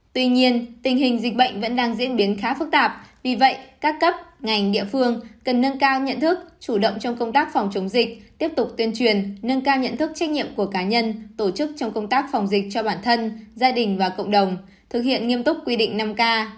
tuy nhiên tình hình dịch bệnh vẫn đang diễn biến khá phức tạp vì vậy các cấp ngành địa phương cần nâng cao nhận thức chủ động trong công tác phòng chống dịch tiếp tục tuyên truyền nâng cao nhận thức trách nhiệm của cá nhân tổ chức trong công tác phòng dịch cho bản thân gia đình và cộng đồng thực hiện nghiêm túc quy định năm k